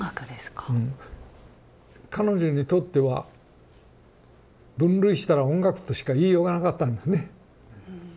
彼女にとっては分類したら音楽としか言いようがなかったんですね。